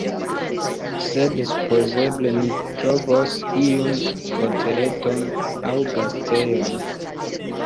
Sed supozeble ni trovos iun hoteleton aŭ gastejon.